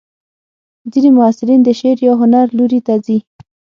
ځینې محصلین د شعر یا هنر لوري ته ځي.